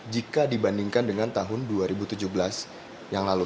jika dibandingkan dengan tahun dua ribu tujuh belas yang lalu